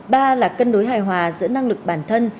ba là cân đối hài hòa giữa năng lực bản thân